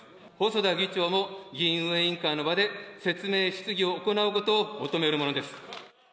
細田議長も議院運営委員会の場で説明質疑を行うことを求めるもの